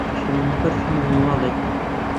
بە شەمەندەفەر چوومەوە ماڵێ.